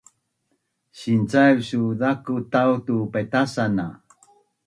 sincaiv su zaku tau tu patasan a